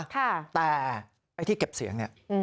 ค่ะแต่ที่เก็บเสียงเนี่ย